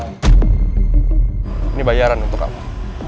ini bayaran untuk kamu